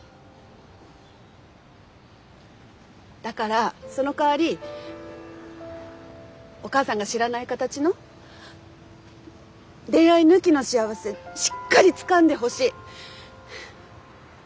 だからそのかわりお母さんが知らない形の恋愛抜きの幸せしっかりつかんでほしい！